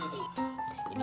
tunggu tunggu tunggu